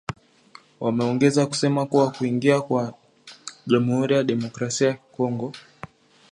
Wameongeza kusema kuwa kuingia kwa jamuhuri ya kidemokrasia ya Kongo